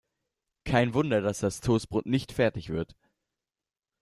Kein Wunder, dass das Toastbrot nicht fertig wird.